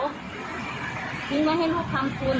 คือเป็นเงินของพ่อสองตาเขาที่หิ้งเสีย